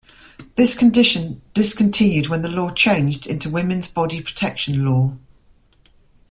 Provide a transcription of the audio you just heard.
This condition discontinued when the law changed into Women's Body Protection Law.